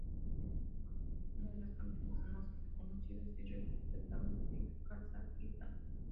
Nacida en Almaty, es una de las cantantes más conocidas y respetadas de Kazajistán.